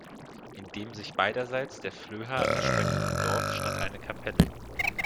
In dem sich beiderseits der Flöha erstreckenden Dorf stand eine Kapelle.